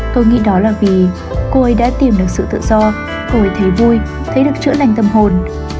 tôi nghĩ đó là vì cô ấy đã tìm được sự tự do cô thấy vui thấy được chữa lành tâm hồn